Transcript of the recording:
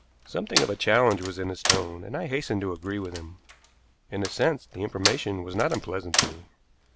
Something of challenge was in his tone, and I hastened to agree with him. In a sense, the information was not unpleasant to me.